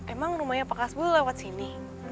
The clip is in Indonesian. emang rumahnya pakas bul lewat sini